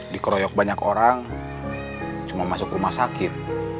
dikeroyok banyak orang cuma masuk rumah sakit